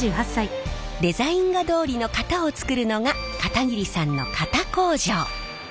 デザイン画どおりの型を作るのが片桐さんの型工場。